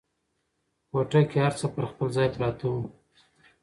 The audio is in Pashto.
کوټه کې هر څه پر خپل ځای پراته وو.